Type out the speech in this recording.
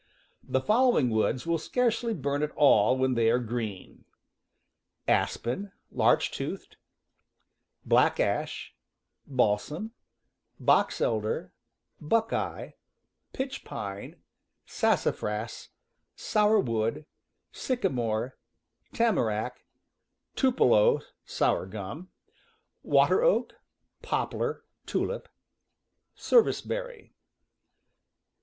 The following woods will scarcely burn at all when they are green: aspen (large toothed), black ash, bal jj . r, sam, box elder, buckeye, pitch pine, ,,_,, sassafras, sourwood, sycamore, tama ble Woods. 1x1/ \ X 1 rack, tupelo (sour gum), water oak, poplar (tulip), service berry.